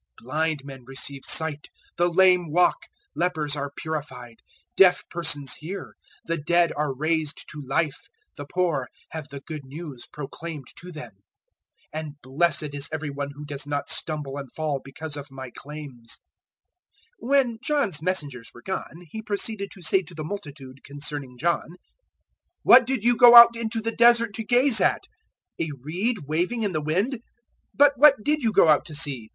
Blind men receive sight, the lame walk, lepers are purified, deaf persons hear, the dead are raised to life, the poor have the Good News proclaimed to them. 007:023 And blessed is every one who does not stumble and fall because of my claims." 007:024 When John's messengers were gone, He proceeded to say to the multitude concerning John, "What did you go out into the Desert to gaze at? A reed waving in the wind? 007:025 But what did you go out to see?